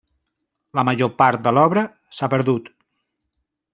La major part de l'obra s'ha perdut.